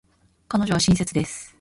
彼女は親切です。